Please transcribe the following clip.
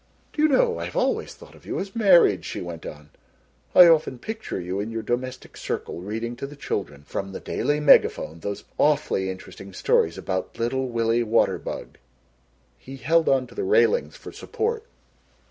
"Do you know I have always thought of you as married," she went on; "I often picture you in your domestic circle reading to the children from the Daily Megaphone those awfully interesting stories about Little Willie Waterbug." He held on to the railings for support.